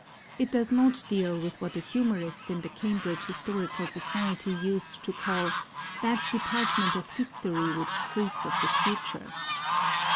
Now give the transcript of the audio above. It does not deal with what a humorist in the Cambridge Historical Society used to call "that department of history which treats of the future."